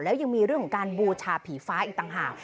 แล้วยังมีเรื่องของการบูชาผีฟ้าอีกต่างหาก